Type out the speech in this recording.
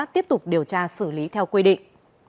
tiếp tục điều tra xử lý theo quy định